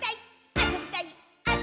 「あそびたいっ！」